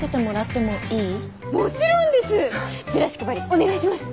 お願いします。